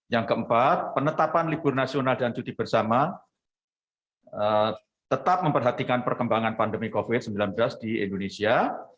yang keempat penetapan libur nasional dan cuti bersama tetap memperhatikan perkembangan pandemi covid sembilan belas di indonesia